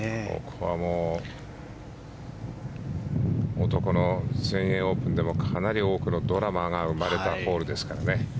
ここは男の全英オープンでもかなり多くのドラマが生まれたホールですからね。